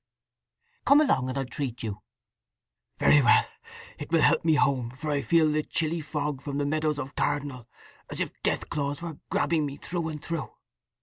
"Come along, and I'll treat you!" "Very well. It will help me home, for I feel the chilly fog from the meadows of Cardinal as if death claws were grabbing me through and through.